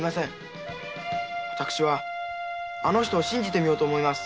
私はあの人を信じてみようと思います。